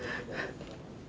nenek udah gak apa apa kan ya